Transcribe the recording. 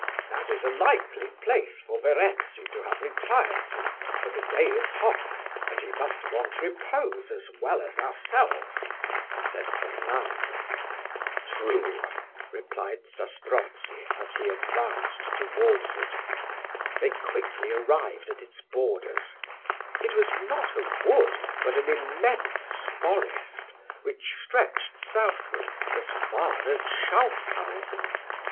"That is a likely place for Verezzi to have retired to, for the day is hot, and he must want repose as well as ourselves," said Bernardo. "True," replied Zastrozzi, as he advanced towards it. They quickly arrived at its borders: it was not a wood, but an immense forest, which stretched southward as far as Schauffhausen.